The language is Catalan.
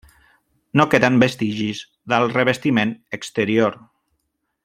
No queden vestigis del revestiment exterior.